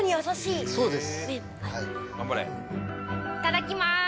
いただきます。